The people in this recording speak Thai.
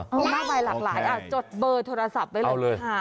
มีมากมายหลากหลายจดเบอร์โทรศัพท์ไว้เลย